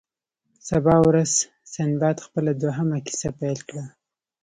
سبا ورځ سنباد خپله دوهمه کیسه پیل کړه.